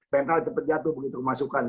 mental cepat jatuh begitu masukkan